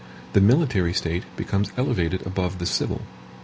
The military state becomes elevated above the civil.